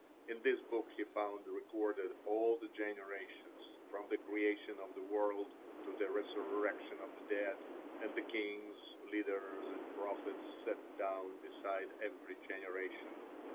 In this book he found recorded all the generations, from the creation of the world to the resurrection of the dead, and the kings, leaders, and prophets set down beside every generation.